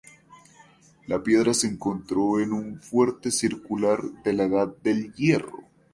La piedra se encontró en un fuerte circular de la edad del Hierro.